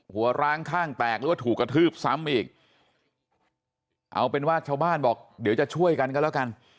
ร้างข้างแตกหรือว่าถูกกระทืบซ้ำอีกเอาเป็นว่าชาวบ้านบอกเดี๋ยวจะช่วยกันก็แล้วกัน